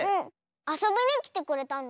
あそびにきてくれたの？